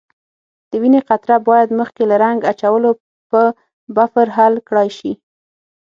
د وینې قطره باید مخکې له رنګ اچولو په بفر حل کړای شي.